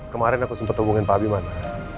kemarin aku sempet hubungin pak abimana